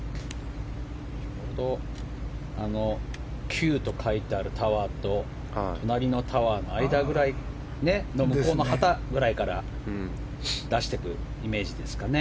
９と書いてあるタワーと隣のタワーの間くらいの旗くらいから出していくイメージですかね。